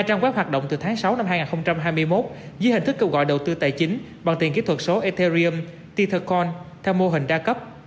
trang web hoạt động từ tháng sáu năm hai nghìn hai mươi một dưới hình thức kêu gọi đầu tư tài chính bằng tiền kỹ thuật số etherium titalcon theo mô hình đa cấp